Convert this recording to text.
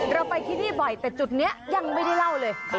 เราไปที่นี่บ่อยแต่จุดนี้ยังไม่ได้เล่าเลย